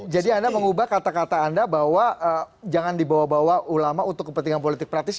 jadi anda mengubah kata kata anda bahwa jangan dibawa bawa ulama untuk kepentingan politik praktis